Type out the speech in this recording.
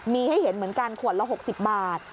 มีให้เห็นเหมือนกันขวดละ๖๐บาท